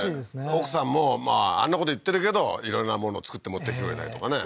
奥さんもまああんなこと言ってるけど色んなもの作って持ってきてくれたりとかね